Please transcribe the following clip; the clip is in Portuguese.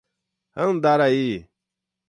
Andaraí